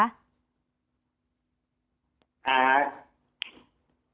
ครับ